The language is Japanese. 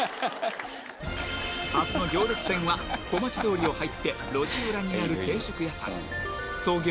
初の行列店は小町通りを入って路地裏にある定食屋さん創業